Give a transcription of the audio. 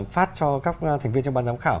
phát cho các thành viên trong ban giám khảo